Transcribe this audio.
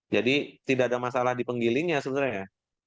jadi tidak ada masalah di penggilingnya sebenarnya